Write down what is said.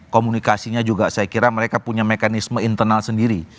komunikasinya juga saya kira mereka punya mekanisme internal sendiri